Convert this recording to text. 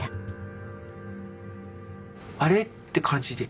あれ？って感じで。